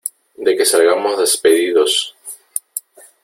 de que salgamos despedidos .